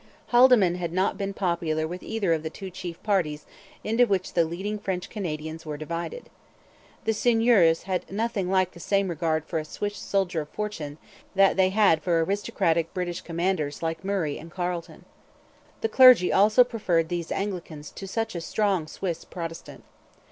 Haldimand had not been popular with either of the two chief parties into which the leading French Canadians were divided. The seigneurs had nothing like the same regard for a Swiss soldier of fortune that they had for aristocratic British commanders like Murray and Carleton. The clergy also preferred these Anglicans to such a strong Swiss Protestant.